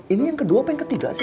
ini yang kedua apa yang ketiga